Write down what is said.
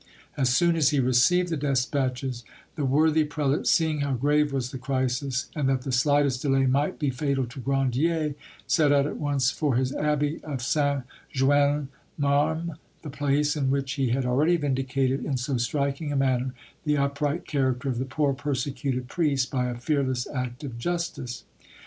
As soon as he received the despatches, the worthy prelate seeing how grave was the crisis, and that the slightest delay might be fatal to Grandier, set out at once for his abbey of Saint Jouinles Marmes, the place in which he had already vindicated in so striking a manner the upright character of the poor persecuted priest by a fearless act of justice.